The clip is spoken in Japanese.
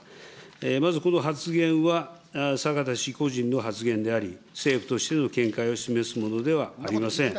まずこの発言は、さかた氏個人の発言であり、政府としての見解を示すものではありません。